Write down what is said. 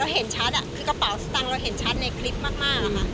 เห็นชัดคือกระเป๋าสตังค์เราเห็นชัดในคลิปมากอะค่ะ